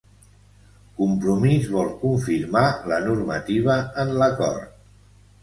Compromís vol confirmar la normativa en l'acord